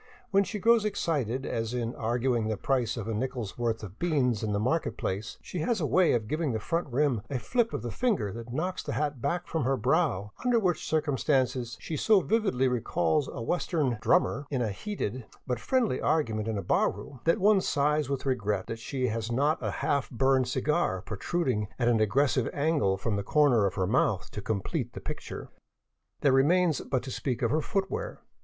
When she grows excited, as in arguing the price of a nickel's worth of beans in the market place, she has a way of giving the front rim a flip of the finger that knocks the hat back from her brow, under which circum stances she so vividly recalls a Western " drummer " in a heated but friendly argument in a bar room, that one sighs with regret that she has not a half burned cigar protruding at an aggressive angle from the corner of her mouth to complete the picture. There remains but to speak of her footwear.